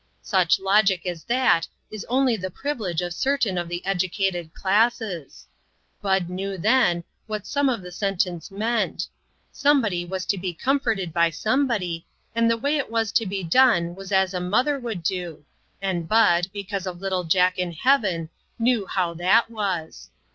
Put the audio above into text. Such logic as that is only the privilege of certain of the educated classes ! Bud knew then, what some of the sentence meant. Somebody was to be comforted by somebody, and the way it was to be done was as a mother would do,, and Bud, be cause of little Jack in heaven, knew how that was.